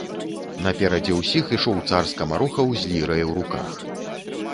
Наперадзе ўсіх ішоў цар скамарохаў з лірай у руках.